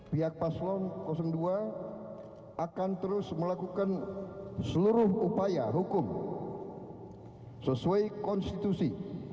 pihak paslon dua akan terus melakukan seluruh upaya hukum sesuai konstitusi